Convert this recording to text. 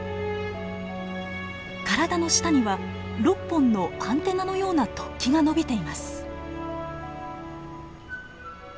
体の下には６本のアンテナのような突起が伸びています。